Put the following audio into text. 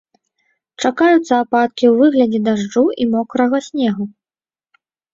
Чакаюцца ападкі ў выглядзе дажджу і мокрага снегу.